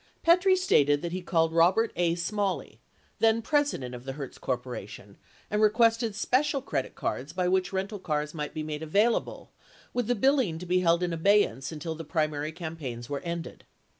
Petrie stated that he called Robert A. Smalley, then president of the Hertz Corp., and requested special credit cards by which rental cars might be made available with the billing to be held in abeyance until the primary campaigns were ended.